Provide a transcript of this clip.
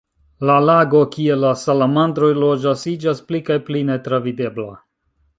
La lago kie la salamandroj loĝas iĝas pli kaj pli netravidebla.